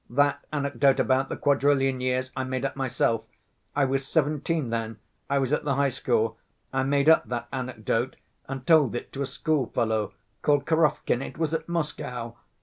"That anecdote about the quadrillion years, I made up myself! I was seventeen then, I was at the high school. I made up that anecdote and told it to a schoolfellow called Korovkin, it was at Moscow....